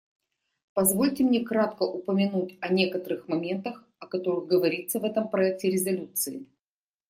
Позвольте мне кратко упомянуть о некоторых моментах, о которых говорится в этом проекте резолюции.